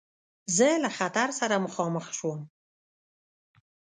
زه له خطر سره مخامخ شوم.